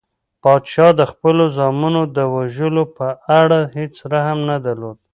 پادشاه د خپلو زامنو د وژلو په اړه هیڅ رحم نه درلود.